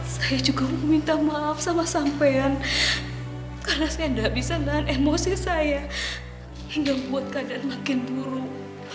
saya juga minta maaf sama sampean karena saya tidak bisa menahan emosi saya hingga buat keadaan makin buruk